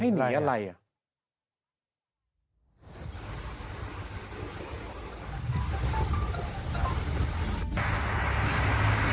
ให้หนีอะไรอ่ะ